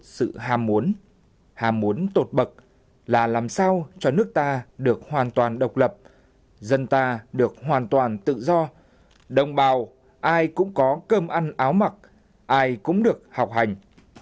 sự ham muốn hàm muốn tột bậc là làm sao cho nước ta được hoàn toàn độc lập dân ta được hoàn toàn tự do đồng bào ai cũng có cơm ăn áo mặc ai cũng được học hành